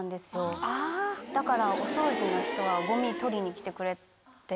だからお掃除の人がゴミ取りに来てくれて。